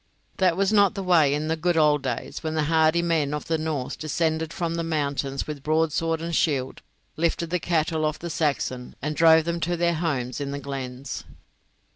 That was not the way in the good old days when the hardy men of the north descended from the mountains with broadsword and shield, lifted the cattle of the Saxon, and drove them to their homes in the glens.